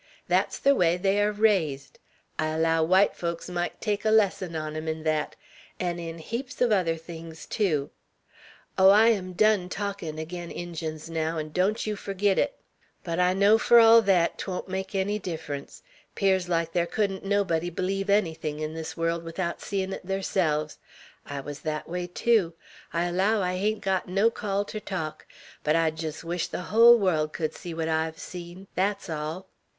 Thet's ther way they air raised; I allow white folks might take a lesson on 'em, in thet; 'n' in heaps uv other things tew. Oh, I'm done talkin' again Injuns, naow, don't yeow furgit it! But I know, fur all thet, 't won't make any difference; 'pears like there cuddn't nobody b'leeve ennythin' 'n this world 'thout seein' 't theirselves. I wuz thet way tew; I allow I hain't got no call ter talk; but I jest wish the hull world could see what I've seen! Thet's all!"